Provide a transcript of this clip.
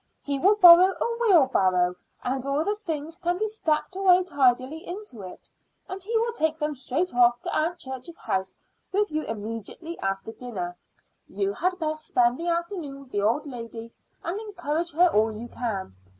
He will borrow a wheelbarrow, and all the things can be stacked away tidily into it, and he will take them straight off to Aunt Church's house with you immediately after dinner. You had best spend the afternoon with the old lady and encourage her all you can.